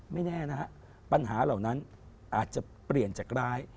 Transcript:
ไม่แน่นะฮะปัญหาเหล่านั้นอาจจะเปลี่ยนจากร้าย